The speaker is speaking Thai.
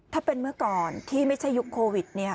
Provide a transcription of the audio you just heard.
ถ้าเป็นเมื่อก่อนที่ไม่ใช่ยุคโควิดเนี่ย